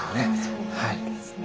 そうなんですね。